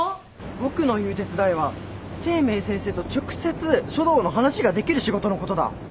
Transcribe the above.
僕の言う手伝いは清明先生と直接書道の話ができる仕事のことだ。